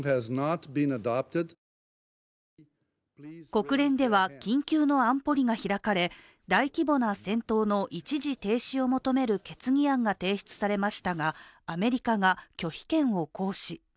国連では緊急の安保理が開かれ、大規模な戦闘の一時停止を求める決議案が提出されましたがアメリカが拒否権を行使。